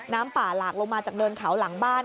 น้ำป่าหลากลงมาจากเนินเขาหลังบ้าน